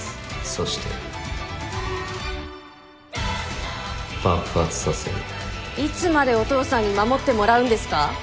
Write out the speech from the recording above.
そして爆発させるいつまでお父さんに守ってもらうんですか？